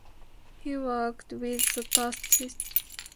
He worked with the Tatas.